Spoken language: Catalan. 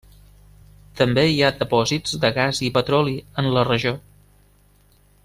També hi ha depòsits de gas i petroli en la regió.